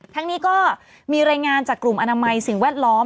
ทั้งนี้ก็มีรายงานจากกลุ่มอนามัยสิ่งแวดล้อม